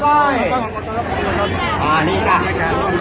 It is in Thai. ขอบคุณมากนะคะแล้วก็แถวนี้ยังมีชาติของ